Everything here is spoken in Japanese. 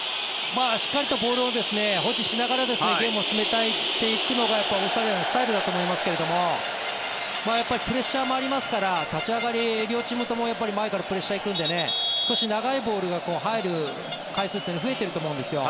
しっかりとボールを保持しながらゲームを進めていくのがオーストラリアのスタイルだと思いますけどプレッシャーもありますから立ち上がり、両チームとも前からプレッシャー行くので少し長いボールが入る回数が増えていると思うんですよ。